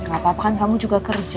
gak apa apa kan kamu juga kerja